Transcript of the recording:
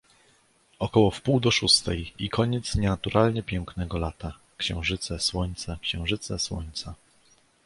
Około wpół do szóstej i koniec nienaturalnie pięknego lata: księżyce, słońca, księżyce, słońca.